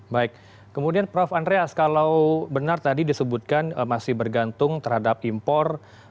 baik kemudian prof andreas kalau benar tadi disebutkan masih bergantung terhadap impor